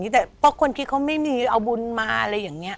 แต่เพราะคนที่เขาไม่มีเอาบุญมาอะไรอย่างนี้